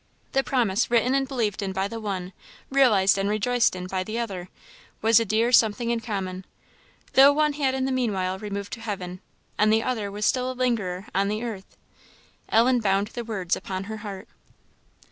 The promise, written and believed in by the one, realized and rejoiced in by the other, was a dear something in common, though one had in the meanwhile removed to heaven, and the other was still a lingerer on the earth. Ellen bound the words upon her heart.